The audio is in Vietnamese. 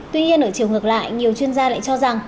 tuy nhiên ở chiều ngược lại nhiều chuyên gia lại cho rằng